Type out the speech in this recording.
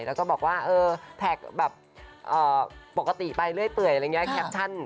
เราก็บอกว่าแพคโปรกติไปเรื่อยเปื่อยแกปชั่น